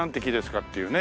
っていうね。